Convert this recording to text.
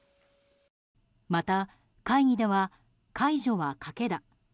また、会議では解除は賭けだ。